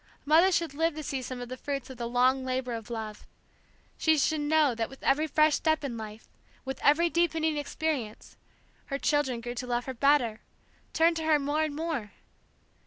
Mother should live to see some of the fruits of the long labor of love. She should know that with every fresh step in life, with every deepening experience, her children grew to love her better, turned to her more and more!